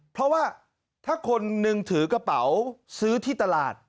เพราะว่าถ้าคนนึงถือกระเป๋าซื้อที่ตลาด